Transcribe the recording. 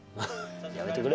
やめてくれ。